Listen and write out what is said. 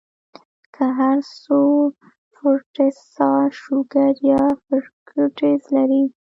کۀ هر څو فروټس ساده شوګر يا فرکټوز لري